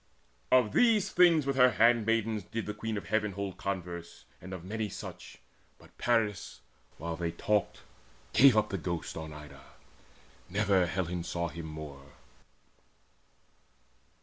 Of these things with her handmaids did the Queen Of Heaven hold converse, and of many such, But Paris, while they talked, gave up the ghost On Ida: never Helen saw him more.